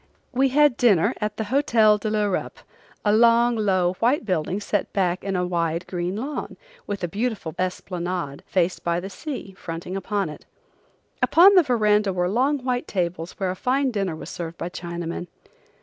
We had dinner at the Hotel de l'Europe, a long, low, white building set back in a wide, green lawn, with a beautiful esplanade, faced by the sea, fronting it. Upon the verandah were long white tables where a fine dinner was served by Chinamen.